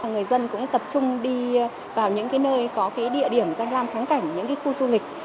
người dân cũng tập trung đi vào những nơi có địa điểm danh lam thắng cảnh những khu du lịch